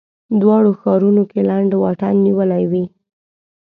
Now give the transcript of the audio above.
دواړو ښارونو کې لنډ واټن کې نیولې وې.